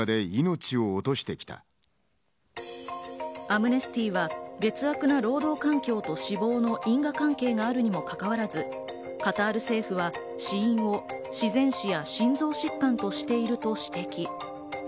アムネスティは劣悪な労働環境と死亡の因果関係があるにもかかわらず、カタール政府は死因を自然死や心臓疾患としていると指摘。